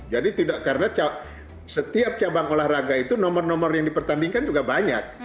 jadi tidak karena setiap cabang olahraga itu nomor nomor yang dipertandingkan juga banyak